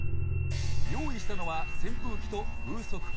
用意したのは扇風機と風速計。